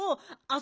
あ！